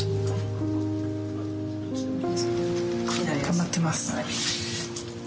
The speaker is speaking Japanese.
頑張ってます。